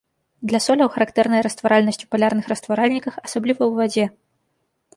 Для соляў характэрная растваральнасць у палярных растваральніках, асабліва ў вадзе.